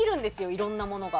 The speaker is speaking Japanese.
いろんなものが。